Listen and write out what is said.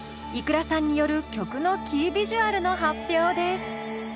ｉｋｕｒａさんによる曲のキービジュアルの発表です。